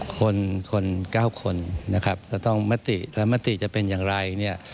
คน๙คนนะครับจะต้องมติและมติจะเป็นอย่างไร